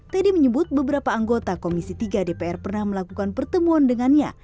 teddy menyebut beberapa anggota komisi tiga dpr pernah melakukan pertemuan dengannya